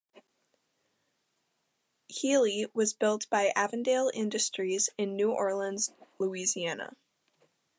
"Healy" was built by Avondale Industries in New Orleans, Louisiana.